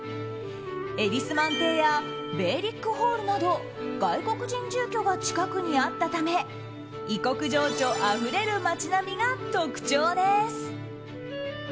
エリスマン邸やベーリックホールなど外国人住居が近くにあったため異国情緒あふれる街並みが特徴です。